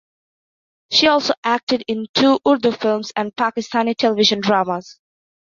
She also acted in two Urdu films and Pakistani television dramas.